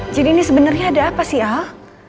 jadi ini sebenernya ada apa sih al